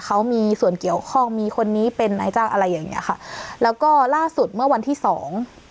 เขามีส่วนเกี่ยวข้องมีคนนี้เป็นนายจ้างอะไรอย่างเงี้ยค่ะแล้วก็ล่าสุดเมื่อวันที่สอง